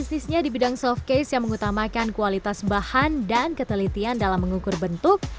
bisnisnya di bidang softcase yang mengutamakan kualitas bahan dan ketelitian dalam mengukur bentuk